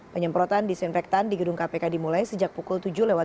penyemprotan disinfektan di gedung kpk dimulai sejak pukul tujuh lewat tiga puluh